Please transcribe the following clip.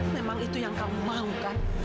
memang itu yang kamu mau kan